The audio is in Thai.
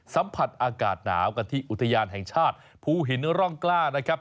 สัมผัสอากาศหนาวกันที่อุทยานแห่งชาติภูหินร่องกล้านะครับ